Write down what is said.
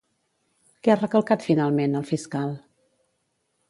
Què ha recalcat, finalment, el fiscal?